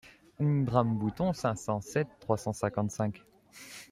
Ung drame Bouton cinq cent sept trois cent cinquante-cinq.